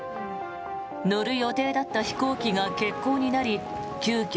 乗る予定だった飛行機が欠航になり急きょ